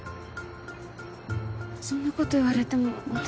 そんなこと言われても私。